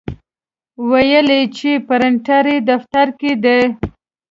ویل یې چې پرنټر یې دفتر کې دی.